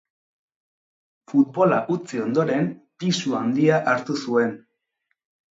Futbola utzi ondoren pisu handia hartu zuen.